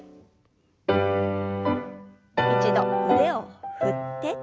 一度腕を振って。